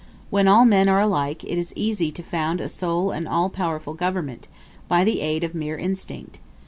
When all men are alike, it is easy to found a sole and all powerful government, by the aid of mere instinct.